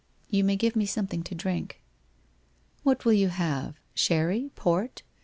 You may give me something to drink.' 1 What will you have ? Sherry ? Port ?